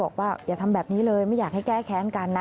บอกว่าอย่าทำแบบนี้เลยไม่อยากให้แก้แค้นกันนะ